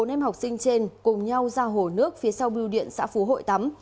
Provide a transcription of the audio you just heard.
bốn em học sinh trên cùng nhau ra hồ nước phía sau biêu điện xã phú hội tắm